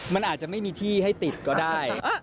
มันอาจจะไม่มีที่ให้ติดก็ได้